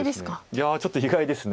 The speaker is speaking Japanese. いやちょっと意外です。